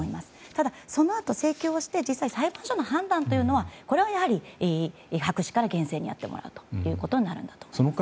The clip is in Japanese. ただ、そのあと請求して実際、裁判所の判断というのは白紙から厳正にやってもらうということにるんだと思います。